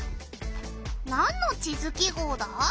なんの地図記号だ？